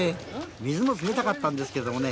水も冷たかったんですけどね